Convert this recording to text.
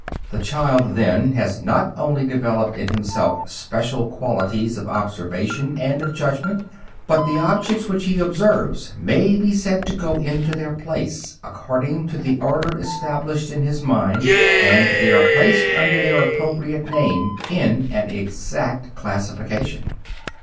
The child then has not only developed in himself special qualities of observation and of judgment, but the objects which he observes may be said to go into their place, according to the order established in his mind, and they are placed under their appropriate name in an exact classification.